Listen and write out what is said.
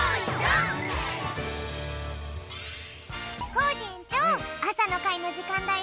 コージえんちょうあさのかいのじかんだよ！